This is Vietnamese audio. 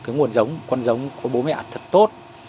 cái nguồn giống con giống của bố mẹ thật tốt